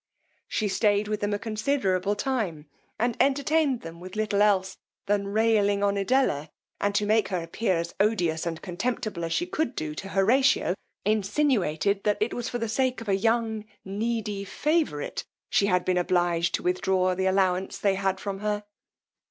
She stayed with them a considerable time, and entertained them with little else than railing on Edella; and to make her appear as odious and contemptible as she could to Horatio, insinuated that it was for the sake of a young needy favourite she had been obliged to withdraw the allowance they had from her.